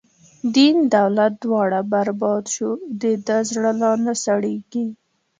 دین دولت دواړه برباد شو، د ده زړه لانه سړیږی